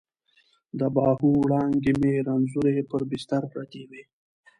د باهو وړانګې مې رنځورې پر بستر پرتې وي